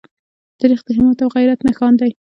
تاریخ د همت او غیرت نښان دی.